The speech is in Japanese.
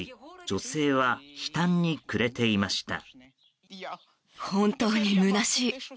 女性は悲嘆にくれていました。